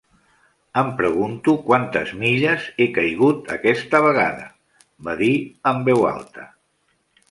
"Em pregunto quantes milles he caigut aquesta vegada", va dir en veu alta.